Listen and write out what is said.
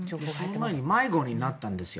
その前に迷子になったんですよ。